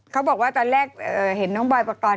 เขาบอกว่าตอนแรกเห็นน้องบอยปกรณ